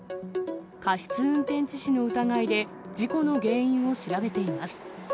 過失運転致死の疑いで事故の原因を調べています。